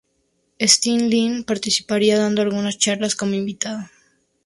Stan Lee participaría dando algunas charlas como invitado.